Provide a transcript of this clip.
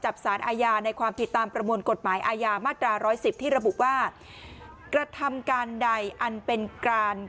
ประมวลกฎหมายอาญามาตราร้อยสิบที่ระบุว่ากระทำการใดอันเป็นการ